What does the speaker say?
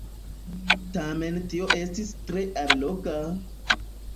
Tamen tio estis tre alloga!